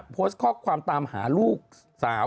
โพสต์ข้อความตามหาลูกสาว